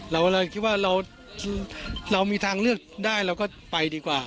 เราเลยคิดว่าเรามีทางเลือกได้เราก็ไปดีกว่า